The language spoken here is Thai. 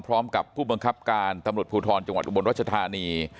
พร้อมกับผู้บังคับการตำรวจภูทรจังหวัดอุบลรัชธานี